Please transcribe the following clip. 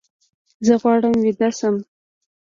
زه غواړم ویده شم